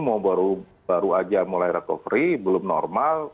mau baru aja mulai recovery belum normal